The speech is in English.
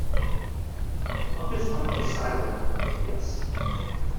Of his Uncle Cyril, yes.